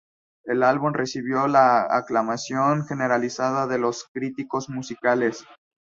El álbum recibió la aclamación generalizada de los críticos musicales.